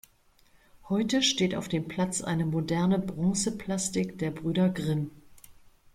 Heute steht auf dem Platz eine moderne Bronzeplastik der Brüder Grimm.